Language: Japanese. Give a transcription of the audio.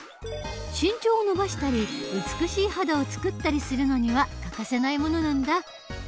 身長を伸ばしたり美しい肌をつくったりするのには欠かせないものなんだ。